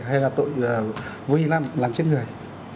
hay là tội vô ý làm chết người